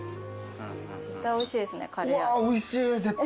絶対おいしいですねカレー味。